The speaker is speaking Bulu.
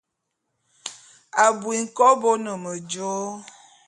Abui nkôbo o ne medjo.